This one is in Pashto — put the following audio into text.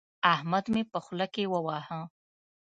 احمد مې په خوله کې وواهه.